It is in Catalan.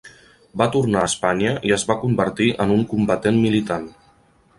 Va tornar a Espanya i es va convertir en un combatent militant.